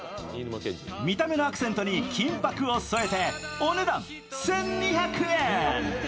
見た目のアクセントに金ぱくを添えてお値段１２００円。